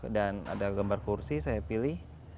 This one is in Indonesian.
dan ada gambar kursi saya pilih